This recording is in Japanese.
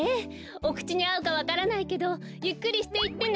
おくちにあうかわからないけどゆっくりしていってね。